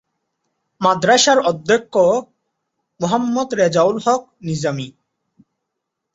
মাদ্রাসার অধ্যক্ষ মোহাম্মদ রেজাউল হক নিজামী।